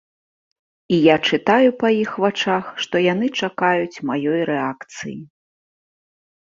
І я чытаю па іх вачах, што яны чакаюць маёй рэакцыі.